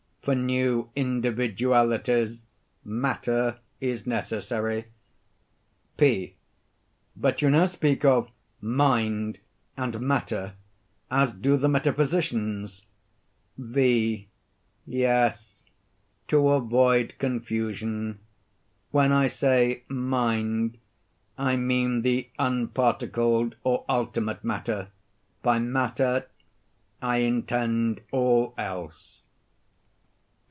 For new individualities, matter is necessary. P. But you now speak of "mind" and "matter" as do the metaphysicians. V. Yes—to avoid confusion. When I say "mind," I mean the unparticled or ultimate matter; by "matter," I intend all else.